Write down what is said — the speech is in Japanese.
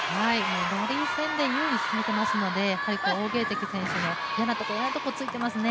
ラリー戦で優位に進めていますので王ゲイ迪選手の嫌なところ、嫌なところに攻めていますね。